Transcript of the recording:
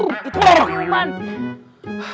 itu ada di rumah